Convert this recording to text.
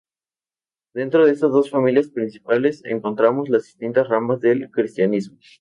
Dentro de estas dos familias principales encontramos las distintas ramas del cristianismo.